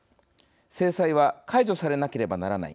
「制裁は解除されなければならない。